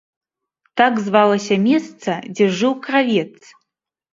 Так звалася месца, дзе жыў кравец.